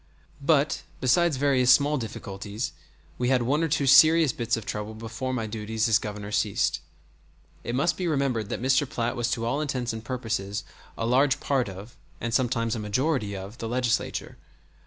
But, besides various small difficulties, we had one or two serious bits of trouble before my duties as Governor ceased. It must be remembered that Mr. Platt was to all intents and purposes a large part of, and sometimes a majority of, the Legislature.